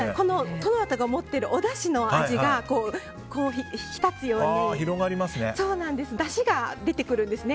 トマトが持っているおだしの味が引き立つようにだしが出てくるんですね